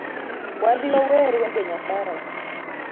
Wadhi wawer wende Nyasaye